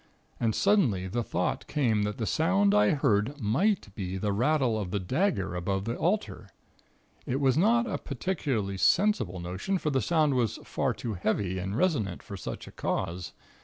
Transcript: And suddenly the thought came that the sound I heard might be the rattle of the dagger above the altar. It was not a particularly sensible notion, for the sound was far too heavy and resonant for such a cause.